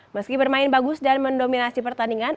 meski bermain bagus dan mendominasi pertandingan